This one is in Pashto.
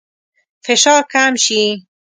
فشار کم شي.